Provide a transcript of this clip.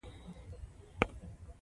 او چارواکو له پا مه هم غور ځول شوي وه